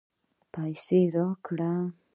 پیسې راکړې.